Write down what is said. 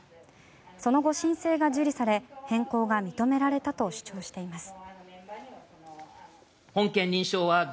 その後、申請が受理され変更が認められたと主張しています。